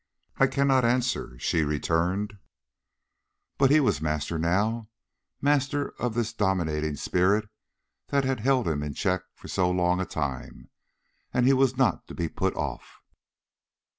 "I cannot answer," she returned. But he was master now master of this dominating spirit that had held him in check for so long a time, and he was not to be put off.